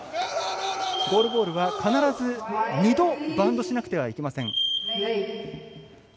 ゴールボールは必ず２度バウンドしなければなりません。